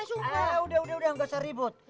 udah udah enggak usah ribut